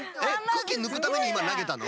空気ぬくためにいまなげたの？